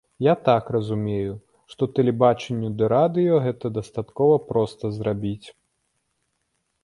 Я так разумею, што тэлебачанню ды радыё гэта дастаткова проста зрабіць.